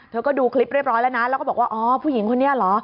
เธอก็ดูคลิปเรียบร้อยแล้วนะแล้วก็บอกว่าอ๋อผู้หญิงคนนี้เหรอ